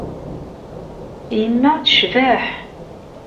Yemma tecbeḥ.